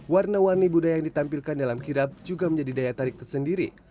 warna warni budaya yang ditampilkan dalam kirap juga menjadi daya tarik tersendiri